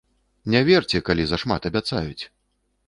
Не верце, калі зашмат абяцаюць!